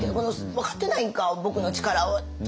「分かってないんか僕の力を！」と。